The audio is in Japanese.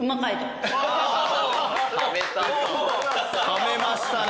ためましたね。